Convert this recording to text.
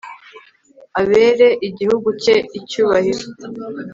abere igihugu cye icyubahiro